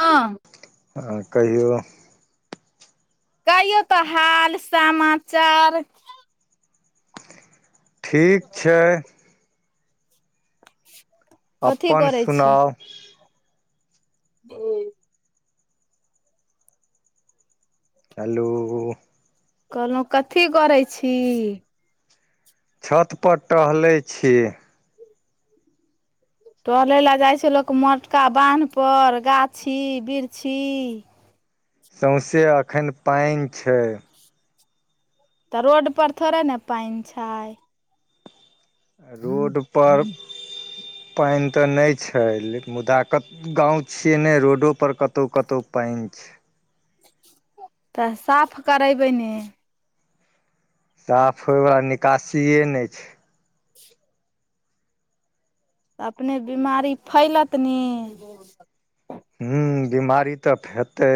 हँ अ कहियौ। कहियो तऽ हाल समाचार। ठीक छय। कथी अपन करै सुनाउ। ॲय हेलो कहलऊ कथी करै छी। छत पर टहलै छी। टहलै ले जाय छै लोक, मोटका बान्ह पर गाछी- बिरछी। सौंसे अखैन पानि छै। तऽ रोड पर थोड़े ने पानि छय। रोड पर पानि तऽ नहि छै लेक, मुदा कत गाँंव छियै ने रोडो पर कतौ-कतौ पानि छै। तऽ साफ करैबय ने। साफ होइ बला निकासीए नहि छै। [unintelligible] तऽ अपने बिमारी फैलत ने। हूं बिमारी तऽ हेतै।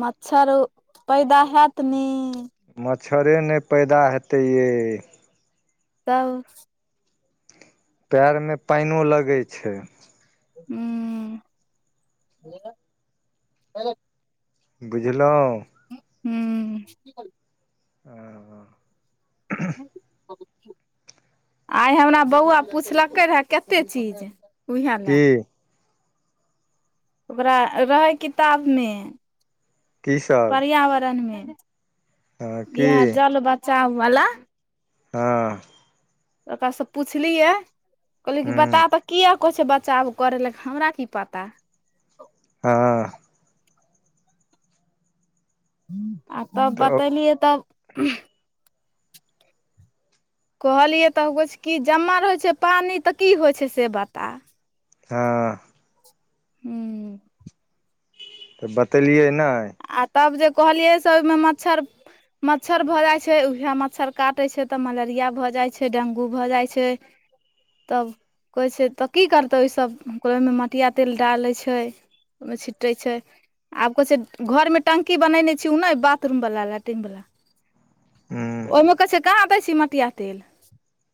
मच्छरो पैदा हैत ने। मच्छरे नहि पैदा हेतै यै। तब पैरमे पाइनो लगै छै। हूं बुझलऊ। हूं हँ- हँ आइ हमरा बौआ पुछलकै रहए कते चीज उइहै की में। ओकरा रहै किताबमे की सब पर्यावरणमे हँ की इहै जल बचाव बला। हँ ओकरा से पूछलियै कहलियै कि हुँ बता त किया कहै छय बचाव करै लऽ हमरा की पता। हँ आ तब तऽ बतेलियै तब कहलियै तऽ कहै छय कि, जमा रहै छै पानि, तऽ की होइ छै से बता। हँ हूं। तऽ बतेलियै नहि। आ तब जे कहलियै से ओहिमे मच्छर मच्छर भऽ जाइ छै, उएह मच्छर काटै छै तऽ मलेरिया भऽ जाइ छै, डेंगू भऽ जाइत छै। तब कहइ छै तऽ की करतै, ओहिमे मटिया तेल डालै छै। ओहिमे छिटै छै, आब कहे छै। घर मे टंकी बनेने छी ओ नहि, बाथरूम वाला, लैट्रिन वाला। हुँ ओहिमे कहै छै, कहाँ दै छी मटिया तेल,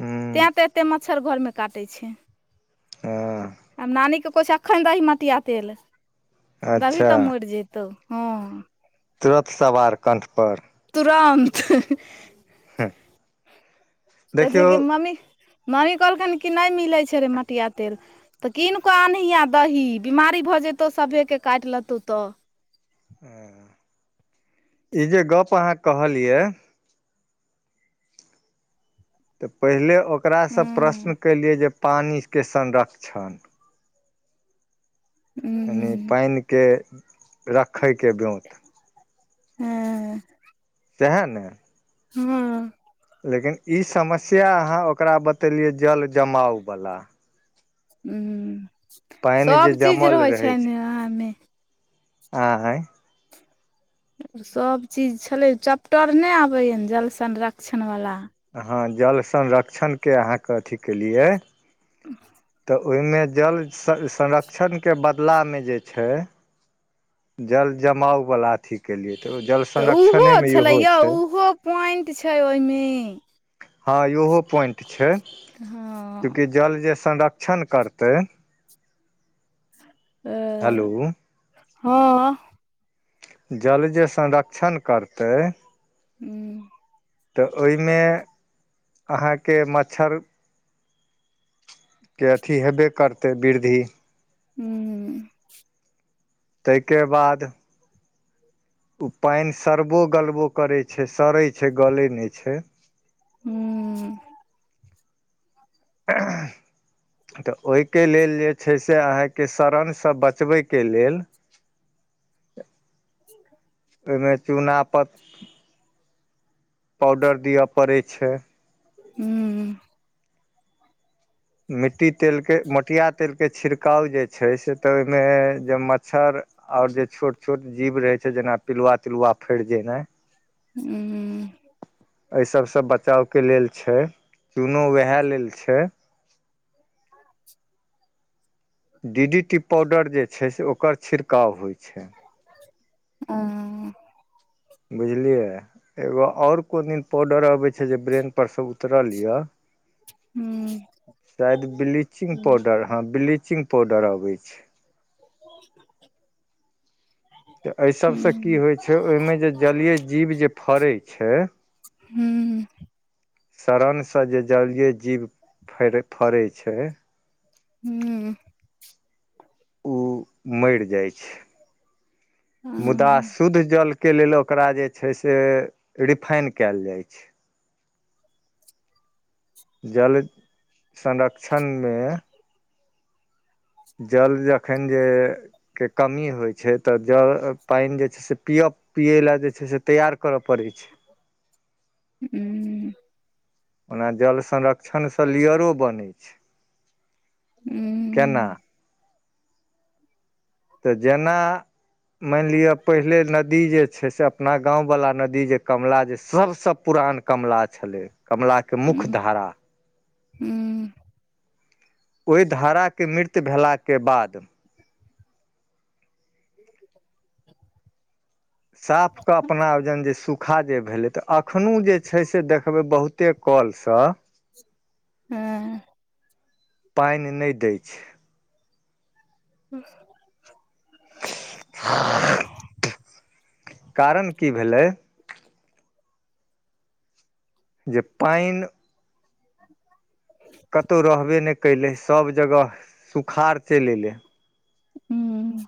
हुँ तें ते एते म मच्छर घर मे काटै छै, हँ आ मालि एखन दही मटिया तेल, देबही अच्छा तऽ मरि जतौ, हँ। तुरत सवार कण्ठपर। तुरन्त। हँ। कहे छै कि, मम्मी मम्मी कहलखिन कि नहि मिलै छै रे मटिया तेल। तऽ कीन के अनहिय, आ दही, बिमारी भऽ जतौ सभेके काटि लेतहु तऽ। ह ई जे गप अहाँ कहलिये। तऽ पहिले ओकरासँ हूँ प्रश्न केलियै जे पानिके संरक्षण। यानि हूँ पानिके रखैके ब्योँत। हँ। सैह ने। हँ। लेकिन ई समस्या अहाँ ओकरा बतेलियए जल जमाव बला। हुँ, पानि जे सब चीज जमल रहै छैने उहैमे। आय। सभचीज छलै, चप्टर नहि आबैए जल संरक्षणवला। हँ, जल संरक्षणके अहाँके अथी केलियै। ह [inaudible] तऽ ओहिमे जल संरक्षणके बदलामे जे छै। जल- जमाव वला अथी केलियए, तऽ जल तऽ उहो संरक्षणेमे छले इहो यो, छै उहो पोइंट छै ओहिमे। हँ, इहो पॉइंट छै, हँ चुकि जल जे संरक्षण करतै, हेलो! हँ। जल जे संरक्षण करतै। हू। तऽ ओहिमे अहाँके मच्छर के अथी हेबे करतै वृद्धि। हू। तैके बाद ओ पानि सड़बो -गलबो करे छै, सड़े छै, गले नहि छै। हूँ। तऽ ओहिके लेल जे छै से, अहाँके शरणसँ बचबैके लेल [inaudible] ओहिमे चूना पत पाउडर दिअ पड़ै छै। हू। मिट्टी तेलके मटिया तेलके छिड़काव जे छै से, तऽ ओहिमे जे मच्छर और जे छोट छोट जीव रहै छै, जेना पिलुआ तिलुआ फरि जेनाइ। हुं। ऐ सबसं बचावके लेल छै, चूनो वेहे लेल छै। डी डी टी पाउडर जे छै से ओकर छिड़काव होइ छै। ओ बुझलियै एगो और कोन दिन पाउडर अबै छै जे ब्रेन पर से उतरल य। हुं शायद ब्लीचिंग पाउडर, हँ ब्लीचिंग पाउडर अबै छै। त अइ सबसं की होइ छै, ओइमे जे जलीय जीव जे फड़ै छै। सड़न सं जे जलीए जीव फैर फरै छै। हुं उ मैर जाइ छै [inaudible] मुदा शुद्ध जल के लेल ओकरा जे छै से रिफाइन कैल जाइ छै। जल [inaudible] संरक्षणमे जल जखन जे के कमी होइ छै त ज पानि जे छै से पियप पियै ले जे छै से तैयार कर परैत छै। हूं उं ओना जल संरक्षणसं लेयरो बनै छै, केना? त जेना मानि लिअ पहिले नदी जे छै से अपना गाँंव वला नदी जे कमला जे सबसं पुरान कमला छलै, कमलाके मुख्य धारा। हुं ओइ धाराके मृत्य भेलाके बाद साफके अपना औरजन जे सुख खा जे भेलै त अखनो जे छै से देखबै बहुत्ते कल सं हुं पानि नै दै छै। हँ [unintelligible] कारण की भेलै? जे पानि कतौ रहबे नै कैलै, सब जगह सुखारौ चलि ऐलै। हुं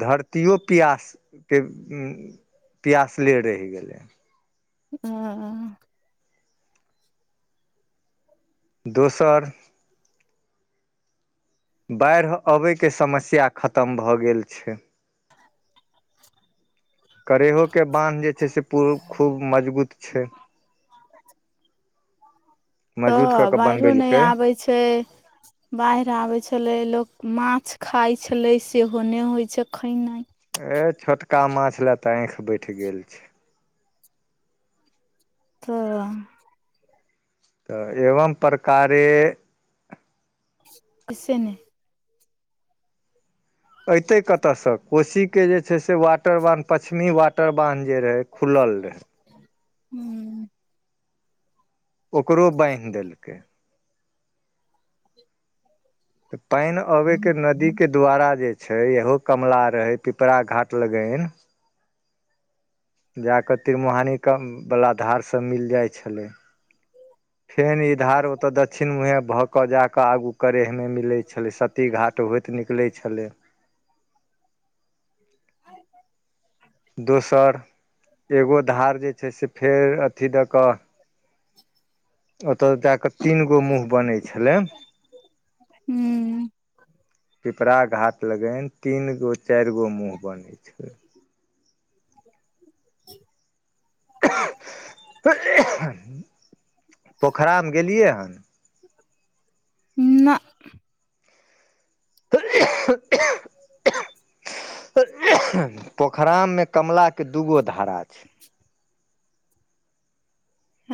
धरतियो पियास के उं पियासले रहि गेलै। हं दोसर बाढ़ि अबैके समस्या खतम भ गेल छै। करेबो के बान्ह जे छै से पू खूब मजबूत छै। मजबूत कऽ त के बाइढ़ो नै बनबेलकै आबै छै। बाढ़ि आबै छलै, लोक मांछ खाइ छलै सेहो नै होइत छै खैनाइ। ए छोटका मांछ ले त आँखि बैठ गेल छै। त अ‌। तऽ एवं प्रकारे इसेने ऐतै कतऽय सँ? कोशी के जे छै से वाटर बान्ह पश्चिमी वाटर बान्ह जे रहय हूम्म। ओकरो बान्हि देलकै। तऽ पानि अबे के नदी के द्वारा जे छै, इहो कमला रहय, पिपरा घाट लगैन जा कऽ तिरमुहानि क बला धार सऽ मिल जाइ छलै। ह फेन इ धार ओतऽ दक्षिण मुँहे भऽ कऽ जाकऽ आगू करैह मे मिलै छलै सत ती घाट होइत निकलै छलै। दोसर, एगो धार जे छै से फेर अथी दऽ कऽ ओतऽ जा कऽ तीन गो मुँह बनै छलै। पिपरा घाट लगैन तीन गो, चाइर गो मुॅंह बनेय छै। पोखराम गेलिए हन? ना। [unintelligible] पोखराम मे कमला के दूगो धारा छै।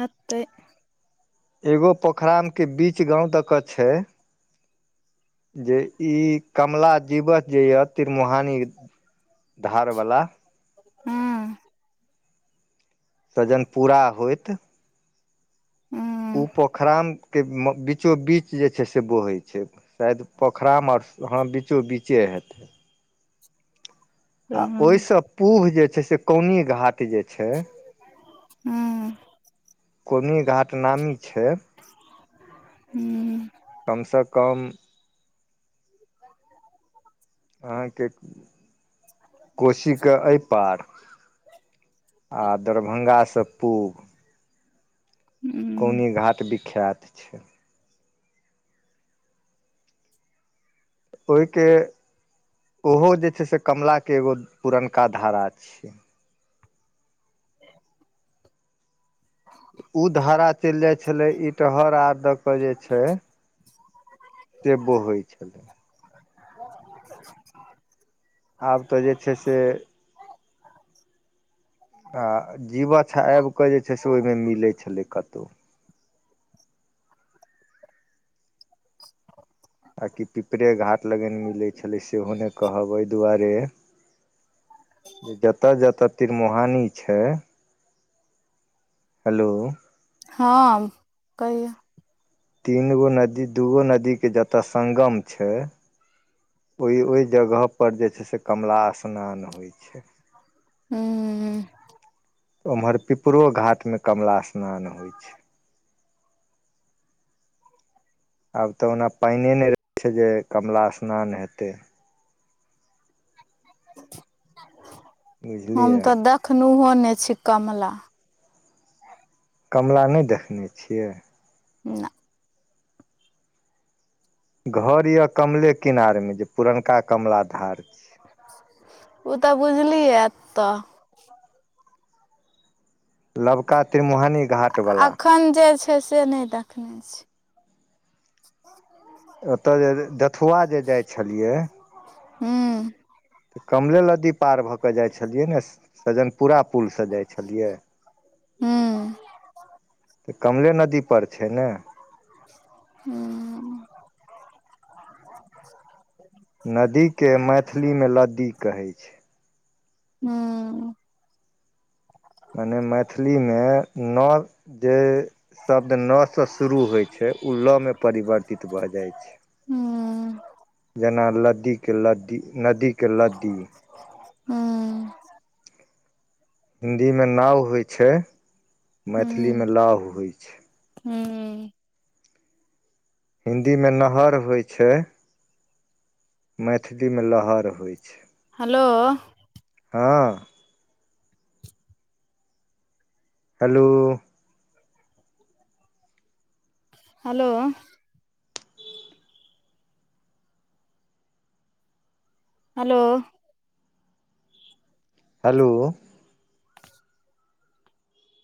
हेतै। एगो पोखराम के बीच गांव दऽ कऽ छै। जे ई कमला जीवच जे यैऽ तिमुहानी धार वला हँ। तऽ जनपूरा होइत ओ हँ पोखरम के बीचो बीच जे छै से बॉहै छै। शायद पोखराम और हँ बीचो बीचे हेतै। आ ओई हँ सँ पूव जे छै से कौनी घाट जे छै ह्म्म। कौनी घाट नामी छै। हूम्म। कम सँ कम [inaudible] कोशी के अइ पार आ दरभंगा सँ पूब हूम्म। कौनी घाट विख्यात छैय। ओइ के, ओहो जे छै से कमला के एगो पुरनका धारा छियै। उ धारा चलि जाय छलै इटहर आर द क जे छैय से बॉहै छलै। आब तऽ जे छै से आ जीवछ आबि कऽ जे छै से ओई मे मिलै छलै कतौ। आ कि पिपरे घाट लगैन मिलै छलै सेहो नै कहब, अई दुआरे जे जतऽ-जतऽ तिरमुहानी छै। हलो हँ कहियौ। तीन गो नदी, दूगो नदी के जतऽ संगम छै। ओय-ओय जगह पर जे छै से कमला स्नान होइ छै। हूं हूं। ओम्हर पिपरो घाटमे कमला स्नान होय छै। आब तऽ ओना पानिए नहि रहै छै, जे कमला स्नान हेतै। हम बुझलियै तऽ देखनुहो नहि छी कमला। कमला नहि देखने छियै। ना घर यऽ कमले किनार मे, जे पुरनका कमला धार छै ओ तऽ बुझलियै एतऽ। लबका त्रिमुहानी घाट वला अखन जे छै से नहि दखने छी। [inaudible] ओतऽ जे जथुआ जे जाइ छलियै। हूं तऽ कमले लदी पार भऽ कऽ जाइ छलियै ने। सजन पूरा पूल सँ जाइ छलियै। त कमले नदी पर छै ने। हूं नदी के मैथिली में लदी कहै छै। हूं मने मैथिली मे नऽ जे शब्द नऽ सँ शुरू होइ छै, ओ लऽ मे परिवर्तित भऽ जाइ छै। हूं। जेना लदीके लद्दी, नदी के लदी। हूं। हिन्दीमे नाव होइ छै, मैथिलीमे लाव होइ छै। हूं हिन्दी मे नहर होइ छै। मैथिलीमे लहर होइ छै। हलो हँ हेलो हलो हलो हलो